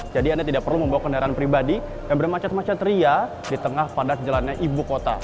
jadi anda tidak perlu membawa kendaraan pribadi yang bermacet macet ria di tengah padat jalan ibu kota